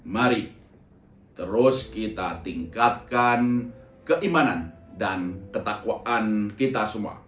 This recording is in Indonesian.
mari terus kita tingkatkan keimanan dan ketakwaan kita semua